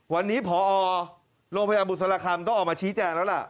วันนี้พอโรงพยาบาลบุษรคำต้องออกมาชี้แจงแล้วล่ะ